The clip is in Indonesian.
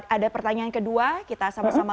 ada pertanyaan kedua